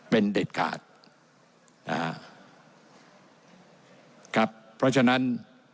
เป็นเด็ดขาดนะฮะครับเพราะฉะนั้น